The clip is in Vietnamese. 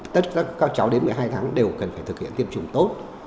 tất cả các cháu đến một mươi hai tháng đều cần phải thực hiện tiêm chủng tốt